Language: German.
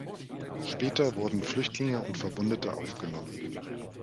Später wurden Flüchtlinge und Verwundete aufgenommen.